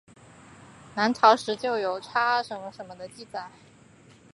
南朝时就有插茱萸辟邪的记载。